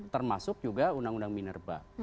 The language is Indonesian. termasuk juga undang undang minerba